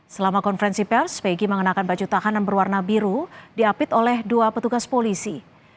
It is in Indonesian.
selama konferensi pers peggy mengenakan baju tahanan berwarna biru diapit oleh dua petugas polisi